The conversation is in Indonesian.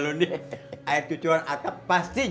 om udin mau main